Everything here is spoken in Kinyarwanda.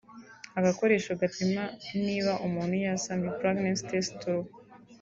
Agakoresho gapima niba umuntu yasamye (pregnancy test tool)